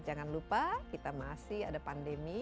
jangan lupa kita masih ada pandemi